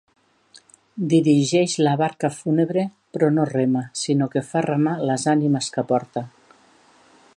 Dirigeix la barca fúnebre però no rema, sinó que fa remar les ànimes que porta.